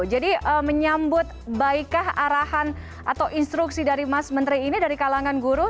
jadi menyambut baikkah arahan atau instruksi dari mas menteri ini dari kalangan guru